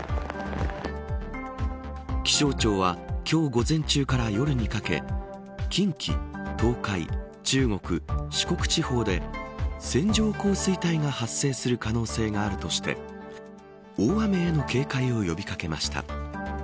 気象庁は今日午前中から夜にかけ近畿、東海、中国、四国地方で線状降水帯が発生する可能性があるとして大雨への警戒を呼び掛けました。